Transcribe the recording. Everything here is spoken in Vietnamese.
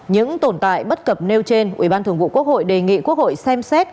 những tồn tại bất cập nêu trên ủy ban thường vụ quốc hội đề nghị quốc hội xem xét